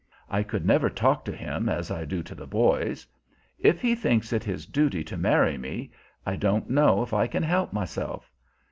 I could never talk to him as I do to the boys. If he thinks it his duty to marry me, I don't know if I can help myself.